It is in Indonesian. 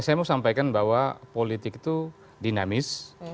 saya mau sampaikan bahwa politik itu dinamis